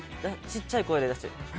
ちっちゃい声で出してます。